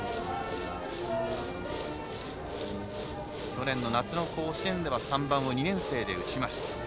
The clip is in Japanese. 去年の夏の甲子園では３番を２年生で打ちました。